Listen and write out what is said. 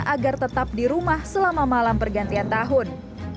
agar tetap di rumah selama malam pergantian tahun